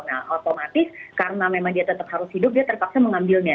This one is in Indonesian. nah otomatis karena memang dia tetap harus hidup dia terpaksa mengambilnya